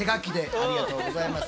ありがとうございます。